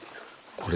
これ。